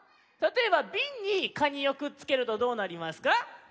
たとえば「びん」に「カニ」をくっつけるとどうなりますか？